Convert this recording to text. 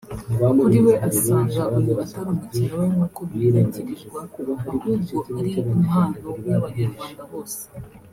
Kuri we asanga uyu atari umukino we nkuko bimwitirirwa ahubwo ari impano y'Abanyarwanda bose